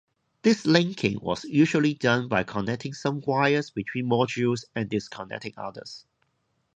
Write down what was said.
This linking was usually done by connecting some wires between modules and disconnecting others.